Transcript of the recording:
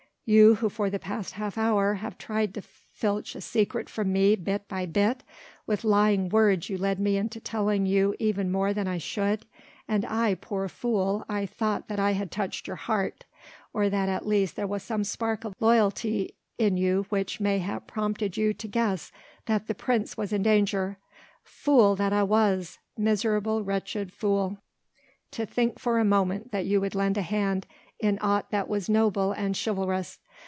You, who for the past half hour have tried to filch a secret from me bit by bit! with lying words you led me into telling you even more than I should! and I, poor fool I thought that I had touched your heart, or that at least there was some spark of loyalty in you which mayhap prompted you to guess that the Prince was in danger. Fool that I was! miserable, wretched fool! to think for a moment that you would lend a hand in aught that was noble and chivalrous!